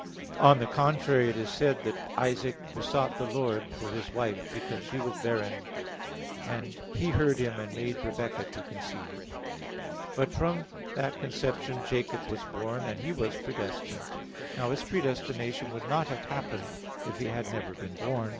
On the contrary, It is said that "Isaac besought the Lord for his wife because she was barren; and He heard him and made Rebecca to conceive" (Gen. 25:21). But from that conception Jacob was born, and he was predestined. Now his predestination would not have happened if he had never been born.